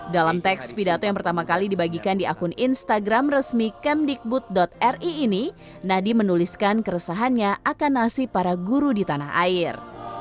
dalam teks pidato yang pertama kali dibagikan di akun instagram resmi kemdikbud ri ini nadiem menuliskan keresahannya akan nasib para guru di tanah air